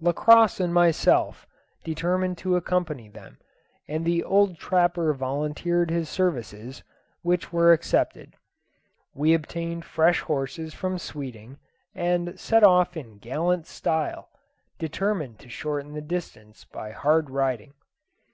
Lacosse and myself determined to accompany them, and the old trapper volunteered his services, which were accepted. We obtained fresh horses from Sweeting, and set off in gallant style, determined to shorten the distance by hard riding.